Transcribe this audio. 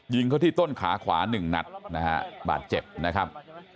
ยิงเขาที่ต้นขาขวาหนึ่งนัดนะฮะบาดเจ็บนะครับ